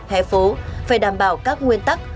hè phố phải đảm bảo các nguyên tắc